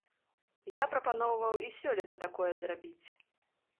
Я прапаноўваў і сёлета такое зрабіць.